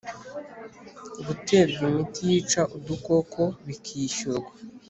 Guterwa imiti yica udukoko bikishyurwa